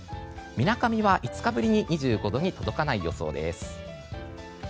みなかみは５日ぶりに２５度に届かない予想です。